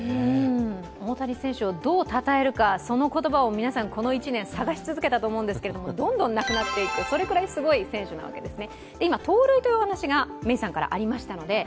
大谷選手をどうたたえるか、その言葉を皆さん、探し続けたと思うんですけれども、どんどんなくなっていくそれくらいすごい選手なわけですね。